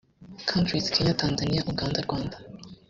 countries kenya tanzania uganda rwanda